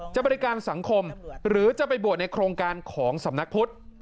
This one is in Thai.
บริการสังคมหรือจะไปบวชในโครงการของสำนักพุทธ